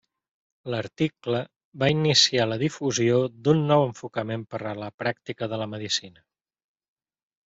L'article va iniciar la difusió d'un nou enfocament per a la pràctica de la medicina.